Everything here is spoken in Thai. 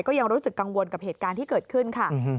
ก็ยังรู้สึกกังวลกับเหตุการณ์ที่เกิดขึ้นค่ะ